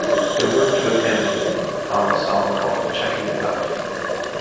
They worked with him on a song called "Checkin' It Out".